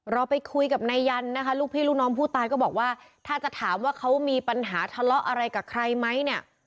เราไปคุยกับนายยันนะคะลูกพี่ลูกน้องผู้ตายก็บอกว่าถ้าจะถามว่าเขามีปัญหาทะเลาะอะไรกับใครไหมเนี่ย